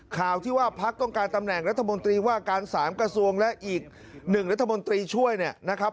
ข่าวที่ว่าพักต้องการตำแหน่งรัฐมนตรีว่าการ๓กระทรวงและอีก๑รัฐมนตรีช่วยเนี่ยนะครับ